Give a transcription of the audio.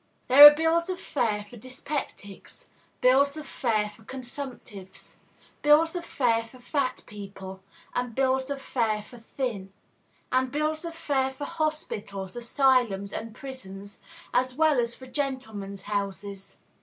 There are bills of fare for dyspeptics; bills of fare for consumptives; bills of fare for fat people, and bills of fare for thin; and bills of fare for hospitals, asylums, and prisons, as well as for gentlemen's houses.